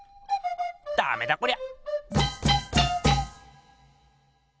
ダメだこりゃ！